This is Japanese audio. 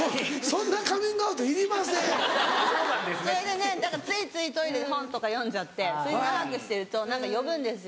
それでねついついトイレで本とか読んじゃって長くしてると何か呼ぶんですよ。